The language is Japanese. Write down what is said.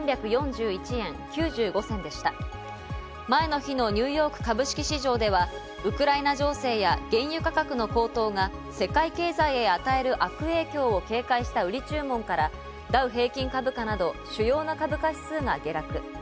前の日のニューヨーク株式市場ではウクライナ情勢や原油価格の高騰が世界経済に与える悪影響を警戒した売り注文からダウ平均株価など主要な株価指数が下落。